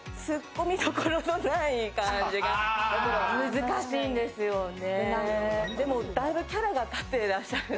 難しいんですよね。